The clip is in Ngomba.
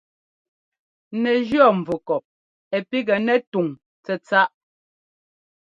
Nɛ jíɔ́ nvukɔp ɛ píkŋɛ nɛ túŋ tsɛ̂tsáʼ.